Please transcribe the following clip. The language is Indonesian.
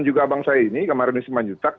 juga bang saya ini kamarudin siman juntat